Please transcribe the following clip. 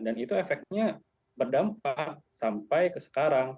dan itu efeknya berdampak sampai ke sekarang